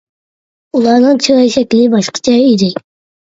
ئۇلارنىڭ چىراي شەكلى باشقىچە ئىدى.